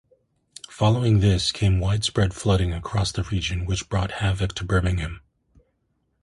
Following this came widespread flooding across the region which brought havoc to Birmingham.